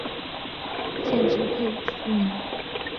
县治佩托斯基。